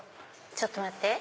ちょっと待って。